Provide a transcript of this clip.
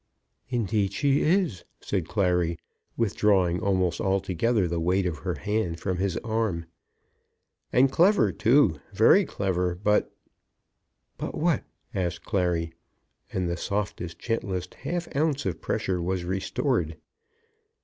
"Indeed she is," said Clary, withdrawing almost altogether the weight of her hand from his arm. "And clever, too, very clever; but " "But what?" asked Clary, and the softest, gentlest half ounce of pressure was restored.